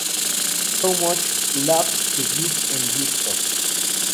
So Much Love To Give en Discogs